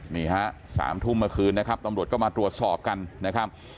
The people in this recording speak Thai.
นี่ฮะ๓ทุ่มเมื่อคืนนะครับตำรวจก็มาตรวจสอบกันนะครับ